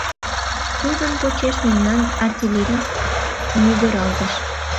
Тудын почеш мемнан артиллерий мӱгыралтыш.